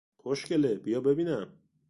خوشگله، بیا ببینم!